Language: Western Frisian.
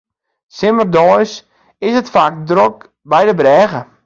Simmerdeis is it faak drok by de brêge.